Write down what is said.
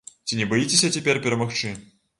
Ці не баіцеся цяпер перамагчы?